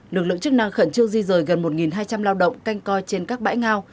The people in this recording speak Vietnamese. lực lượng chức năng khẩn trương di rời gần một hai trăm linh lao động canh coi trên các bãi ngao